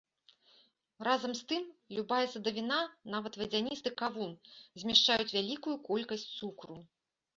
Разам з тым, любая садавіна, нават вадзяністы кавун, змяшчаюць вялікую колькасць цукру.